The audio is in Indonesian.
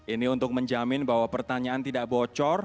ini untuk menjamin bahwa pertanyaan tidak bocor